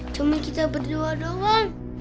cuma kita berdua doang